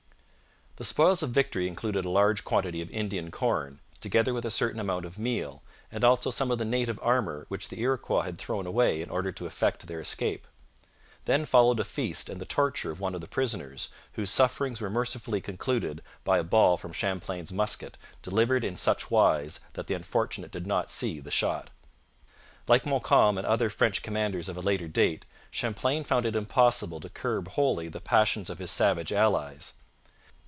The spoils of victory included a large quantity of Indian corn, together with a certain amount of meal, and also some of the native armour which the Iroquois had thrown away in order to effect their escape. Then followed a feast and the torture of one of the prisoners, whose sufferings were mercifully concluded by a ball from Champlain's musket, delivered in such wise that the unfortunate did not see the shot. Like Montcalm and other French commanders of a later date, Champlain found it impossible to curb wholly the passions of his savage allies.